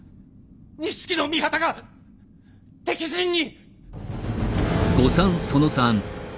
錦の御旗が敵陣に！